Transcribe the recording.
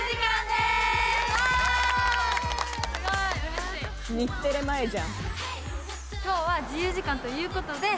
・すごいうれしい・今日は自由時間ということで。